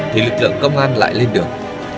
thì lực lượng công an lại lên được